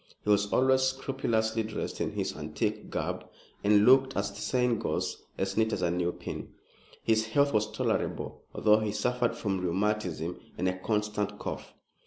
He was always scrupulously dressed in his antique garb, and looked, as the saying goes, as neat as a new pin. His health was tolerable, although he suffered from rheumatism and a constant cough.